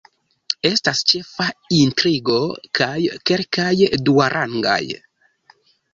Estas ĉefa intrigo kaj kelkaj duarangaj.